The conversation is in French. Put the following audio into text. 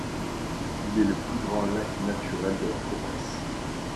Il est le plus grand lac naturel de la province.